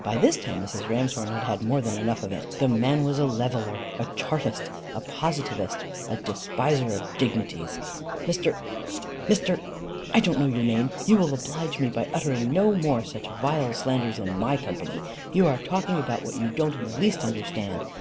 By this time Mrs. Ramshorn had had more than enough of it. The man was a leveller, a chartist, a positivist a despiser of dignities! "Mr. , Mr. , I don't know your name you will oblige me by uttering no more such vile slanders in my company. You are talking about what you don't in the least understand.